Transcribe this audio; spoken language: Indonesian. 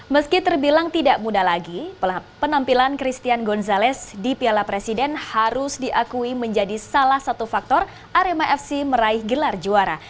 meski terbilang tidak muda lagi penampilan christian gonzalez di piala presiden harus diakui menjadi salah satu faktor arema fc meraih gelar juara